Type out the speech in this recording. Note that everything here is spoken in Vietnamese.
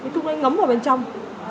thuốc này ngấm vào bên trong